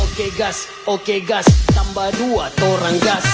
okegas okegas tambah dua torang gas